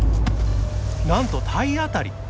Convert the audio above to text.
なんと体当たり。